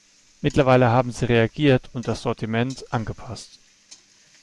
Mittlerweile haben sie reagiert und das Sortiment angepasst.